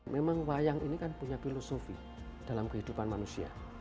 memang wayang ini kan punya filosofi dalam kehidupan manusia